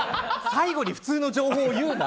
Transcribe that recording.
最後に普通の情報言うな。